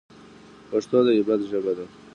پښتو د غیرت ژبه ده